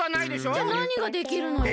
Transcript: じゃあなにができるのよ？